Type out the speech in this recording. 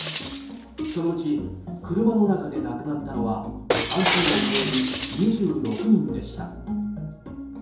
そのうち車の中で亡くなったのは半数を超える２６人でした。